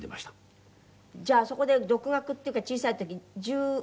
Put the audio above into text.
じゃああそこで独学っていうか小さい時１０。